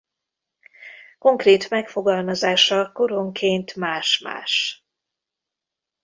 Konkrét megfogalmazása koronként más-más.